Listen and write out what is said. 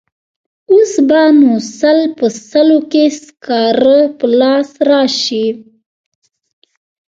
اوس به نو سل په سلو کې سکاره په لاس راشي.